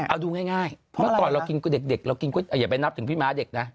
เมื่อก่อนเรากินก๋วยเด็กอย่าไปนับถึงพี่ม้าเด็กนะ